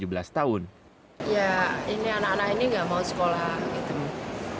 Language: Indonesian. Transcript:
ya ini anak anak ini gak mau sekolah